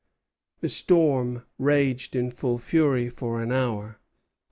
The storm raged in full fury for an hour.